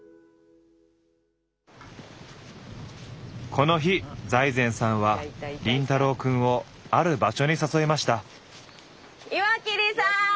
この日財前さんは凛太郎くんをある場所に誘いました。